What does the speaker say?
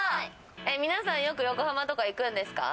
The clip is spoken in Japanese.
皆さん、横浜とか行くんですか？